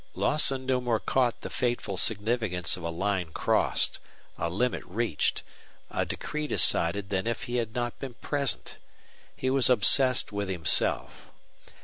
Lawson no more caught the fateful significance of a line crossed, a limit reached, a decree decided than if he had not been present. He was obsessed with himself.